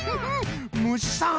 むしさん。